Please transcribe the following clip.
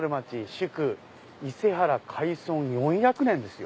「祝伊勢原開村四〇〇年」ですよ。